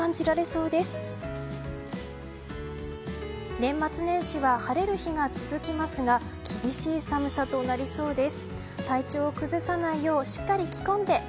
年末年始は晴れる日が続きますが厳しい寒さとなりそうです。